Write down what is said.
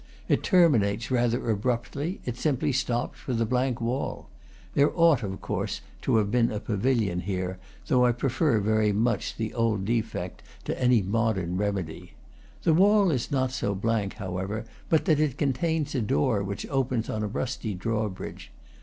It terminates rather abruptly; it simply stops, with a blank wall. There ought, of course, to have been a pavilion here, though I prefer very much the old defect to any mo dern remedy. The wall is not so blank, however, but that it contains a door which opens on a rusty draw bridge.